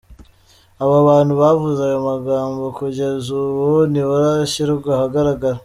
Abo bantu bavuze ayo magambo kugeza ubu ntibarashyirwa ahagaragara.